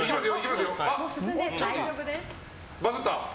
バグった？